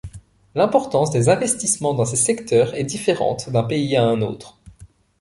L’importance des investissements dans ces secteurs est différente d’un pays à un autre.